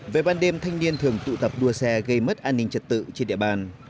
về ban đêm thanh niên thường tụ tập đua xe gây mất an ninh trật tự trên địa bàn